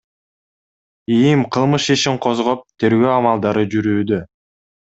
ИИМ кылмыш ишин козгоп, тергөө амалдары жүрүүдө.